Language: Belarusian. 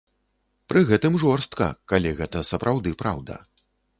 Пры гэтым жорстка, калі гэта сапраўды праўда.